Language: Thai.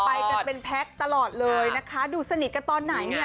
ไปกันเป็นแพ็คตลอดเลยนะคะดูสนิทกันตอนไหนเนี่ย